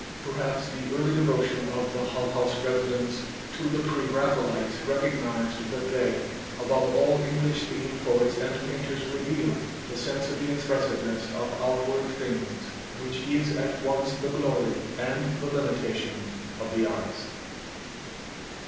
Perhaps the early devotion of the Hull House residents to the pre Raphaelites recognized that they above all English speaking poets and painters reveal "the sense of the expressiveness of outward things" which is at once the glory and the limitation of the arts.